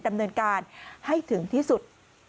ดำเนินการให้ถึงที่สุด